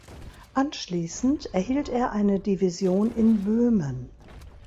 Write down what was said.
Anschließend erhielt er eine Division in Böhmen.